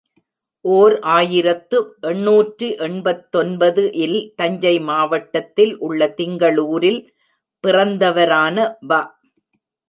ஓர் ஆயிரத்து எண்ணூற்று எண்பத்தொன்பது இல் தஞ்சை மாவட்டத்தில் உள்ள திங்களுரில் பிறந்தவரான வ.